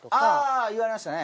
あぁ言われましたね。